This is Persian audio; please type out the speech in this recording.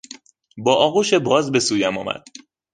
با آغوش باز به سویم آمد.